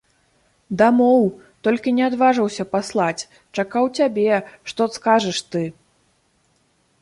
Дамоў, толькі не адважыўся паслаць, чакаў цябе, што скажаш ты.